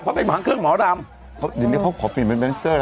เพราะเป็นหางเครื่องหมอรำเดี๋ยวนี้เขาขอเปลี่ยนเป็นแนนเซอร์แล้ว